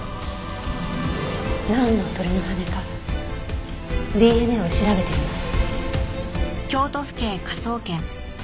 なんの鳥の羽根かＤＮＡを調べてみます。